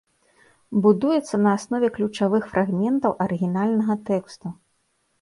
Будуецца на аснове ключавых фрагментаў арыгінальнага тэксту.